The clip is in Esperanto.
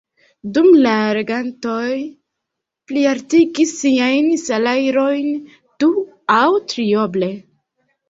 Dume la regantoj plialtigis siajn salajrojn du- aŭ trioble!